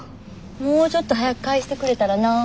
もうちょっと早く返してくれたらなあ。